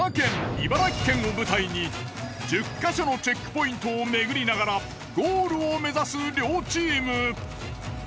茨城県を舞台に１０か所のチェックポイントを巡りながらゴールを目指す両チーム。